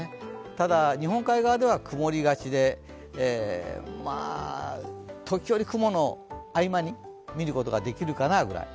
ただ、日本海側では曇りがちで、時折雲の合間に見ることができるかなというくらい。